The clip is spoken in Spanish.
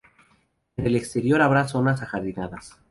En el exterior habrá zonas ajardinadas.